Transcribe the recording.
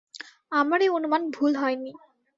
আমার এ অনুমান ভুল হয়নি।